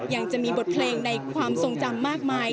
ยังมีบทเพลงในความทรงจำมากมาย